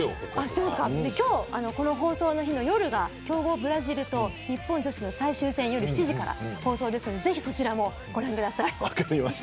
今日、この放送の日の夜が強豪ブラジルと日本女子の最終戦夜７時から放送ですのでぜひそちらもご覧ください。